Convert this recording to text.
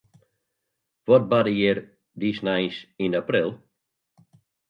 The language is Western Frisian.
Wat barde hjir dy sneins yn april?